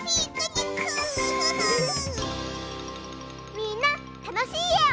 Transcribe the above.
みんなたのしいえを。